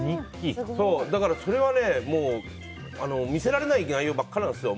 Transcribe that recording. だから、それは見せられない内容ばかりなんですよ。